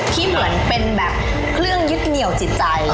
ที่เหมือนเป็นแบบเครื่องยึดเหนียวจิตใจ